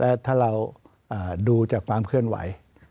และถ้าเราดูจากความเคลื่อนไหว